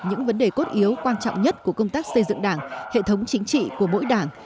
những vấn đề cốt yếu quan trọng nhất của công tác xây dựng đảng hệ thống chính trị của mỗi đảng